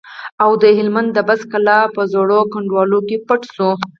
او د هلمند د بست کلا په زړو کنډوالو کې پټ شو.